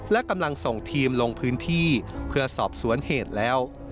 และกำลังส่งทีมลงพื้นที่เพื่อสอบสวนเหตุแล้ว